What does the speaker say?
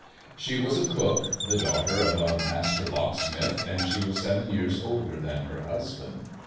She was a cook, the daughter of a "master locksmith," and she was seven years older than her husband.